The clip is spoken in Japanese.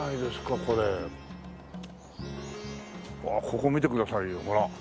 ここ見てくださいよほら。